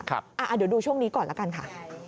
เดี๋ยวดูช่วงนี้ก่อนละกันค่ะ